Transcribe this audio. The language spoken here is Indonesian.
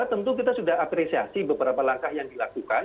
tentu kita sudah apresiasi beberapa langkah yang dilakukan